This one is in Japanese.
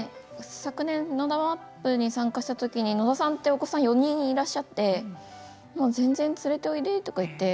昨年ＮＯＤＡ・ＭＡＰに参加した時に、野田さんはお子さんが４人いらっしゃって全然連れておいでと言って。